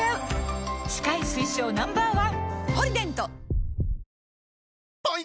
歯科医推奨 Ｎｏ．１！